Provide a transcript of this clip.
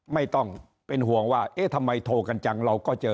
ไม่ต้องเป็นห่วงว่าเอ๊ะทำไมโทรกันจังเราก็เจอ